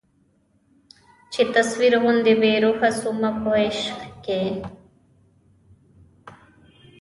چي تصویر غوندي بې روح سومه په عشق کي